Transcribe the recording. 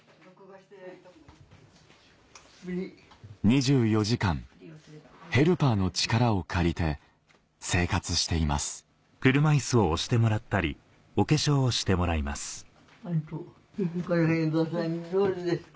２４時間ヘルパーの力を借りて生活しています上手？